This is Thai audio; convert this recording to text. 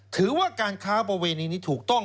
ถือว่าการค้าประเวณีนี้ถูกต้อง